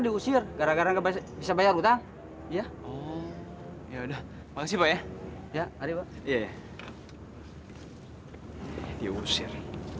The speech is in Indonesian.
diusir gara gara kebalik bisa bayar hutang ya oh ya udah maksudnya ya ya adik diusir